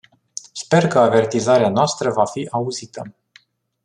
Sper că avertizarea noastră va fi auzită.